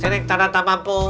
sirik tanah tamapu